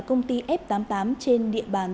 công ty f tám mươi tám trên địa bàn